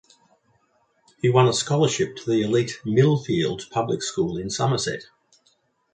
He won a scholarship to the elite Millfield Public School in Somerset.